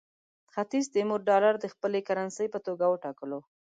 ختیځ تیمور ډالر د خپلې کرنسۍ په توګه وټاکلو.